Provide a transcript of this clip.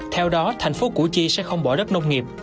theo đó thành phố củ chi sẽ không bỏ đất nông nghiệp